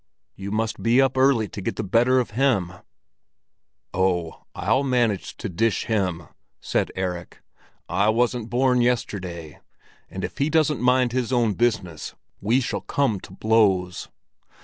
"You must be up early to get the better of him." "Oh, I'll manage to dish him!" said Erik. "I wasn't born yesterday. And if he doesn't mind his own business, we shall come to blows."